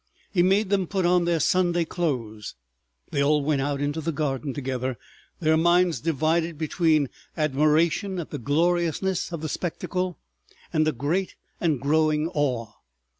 He made them put on their Sunday clothes. They all went out into the garden together, their minds divided between admiration at the gloriousness of the spectacle and a great and growing awe.